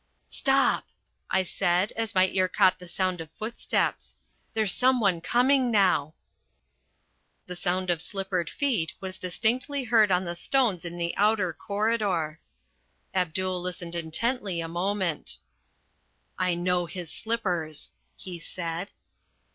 "Stop," I said as my ear caught the sound of footsteps. "There's some one coming now." The sound of slippered feet was distinctly heard on the stones in the outer corridor. Abdul listened intently a moment. "I know his slippers," he said.